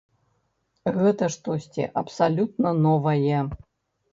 Гэта штосьці абсалютна новае.